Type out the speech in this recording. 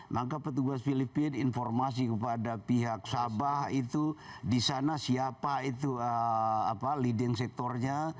maka petugas filipina informasi kepada pihak sabah itu di sana siapa itu leading sectornya